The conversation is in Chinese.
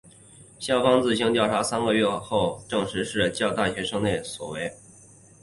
校方自行调查三个月后证实是教大校内学生所为。